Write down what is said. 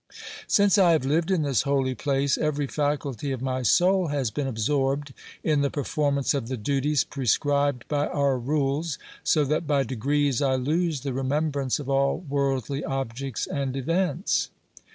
Since I have lived in this holy place, every faculty of my soul has been absorbed in the performance of the duties prescribed by our rules, so that by degrees I lose the remembrance of all worldly objects and events.